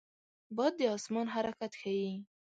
باد د آسمان حرکت ښيي